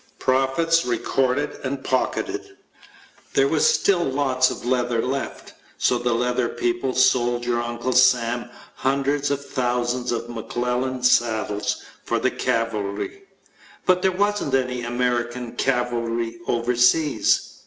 Profits recorded and pocketed. There was still lots of leather left. So the leather people sold your Uncle Sam hundreds of thousands of McClellan saddles for the cavalry. But there wasn't any American cavalry overseas!